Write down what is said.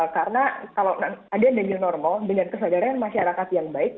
karena kalau ada the new normal dengan kesadaran masyarakat yang baik